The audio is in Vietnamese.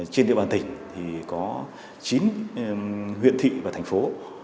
trên địa bàn tỉnh thì có chín huyện thị và thành phố